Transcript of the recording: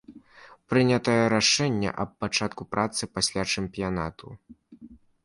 Прынятае рашэнне аб пачатку працы пасля чэмпіянату.